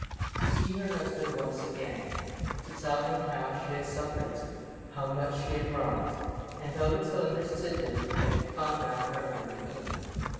To see her husband once again, to tell him how she had suffered, how much she had wronged, and how little understood him, had become now her only aim.